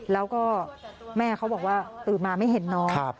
แล้วก็แม่เขาบอกว่าตื่นมาไม่เห็นน้อง